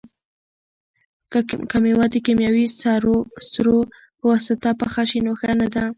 که مېوه د کیمیاوي سرو په واسطه پخه شي نو ښه نه ده.